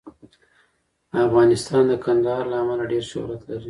افغانستان د کندهار له امله ډېر شهرت لري.